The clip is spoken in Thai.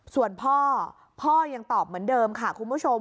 ส่วนพ่อพ่อยังตอบเหมือนเดิมค่ะคุณผู้ชม